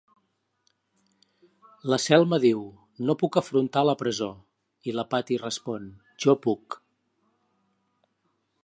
La Selma diu "No puc afrontar la presó", i la Patty respon "Jo puc".